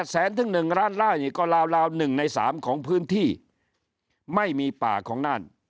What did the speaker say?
แสนถึง๑ล้านไล่นี่ก็ลาว๑ใน๓ของพื้นที่ไม่มีป่าของนั่น